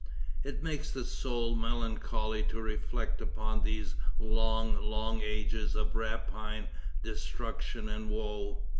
It makes the soul melancholy to reflect upon these long, long ages of rapine, destruction and woe.